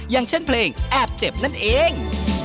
อย่างเช่นเพลงแอบเจ็บนั่นเอง